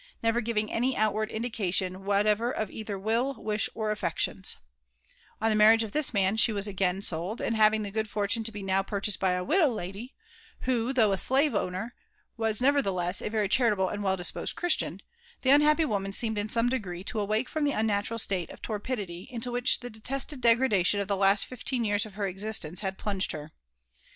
war4 ii^ ISa LIFE AND ADVENTURES OP dication whatever of either will, wish, or affections, On the marriage of this mao, she was again sold; and having the good fortune to be now purchased by a widow lady, who, though a slave hblder, was neyertheless a very charitable and well disposed Christian, the un happy woman seemed in some degree to awjele from the unnatural state of torpidity into which the detested degradation of the last fifteen years of her existence had plunged her.